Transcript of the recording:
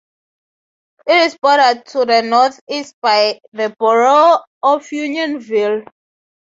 It is bordered to the northeast by the borough of Unionville.